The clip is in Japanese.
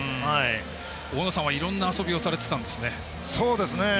大野さんは、いろんな遊びをされていたんですね。